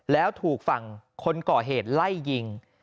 แล้วถูกฝั่งคนก่อเหตุไล่ยิง